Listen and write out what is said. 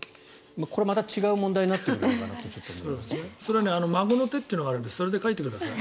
これはまた違う問題になってくるかなとちょっと思いますがそれは孫の手というのがあるのでそれでかいてください。